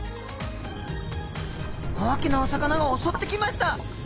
大きなお魚が襲ってきました。